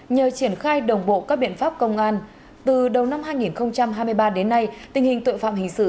nhờ triển khai đồng bộ các biện pháp công an từ đầu năm hai nghìn hai mươi ba đến nay tình hình tội phạm hình sự